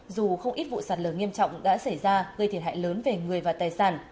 dù không ít vụ sạt lở nghiêm trọng đã xảy ra gây thiệt hại lớn về người và tài sản